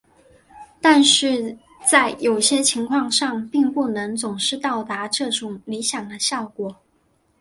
但是在有些情况上并不能总是达到这种理想的效果。